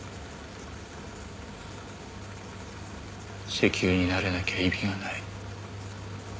石油になれなきゃ意味がない。